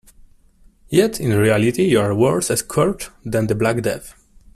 Yet, in reality, you are worse a scourge than the Black Death.